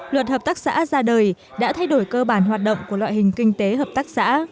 luật hợp tác xã ra đời đã thay đổi cơ bản hoạt động của loại hình kinh tế hợp tác xã